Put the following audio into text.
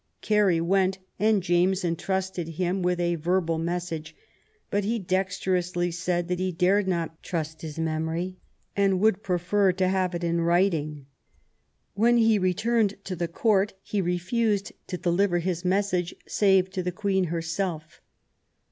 Carey went, and James entrusted him with a verbal message ; but he dexterously said that he dared not trust his memory and would prefer to have it in writing. When he returned to the Court he refused to deliver his message save to the Queen herself.